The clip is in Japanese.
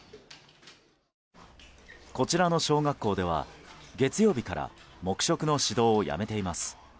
こちらの小学校では、月曜日から黙食の指導をやめています。